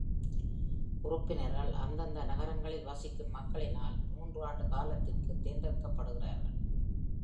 உறுப்பினர்கள், அந்தந்த நகரங்களில் வசிக்கும் மக்களினால் மூன்று ஆண்டு காலத்திற்கு தேர்ந்தெடுக்கப்படுகிறார்கள்.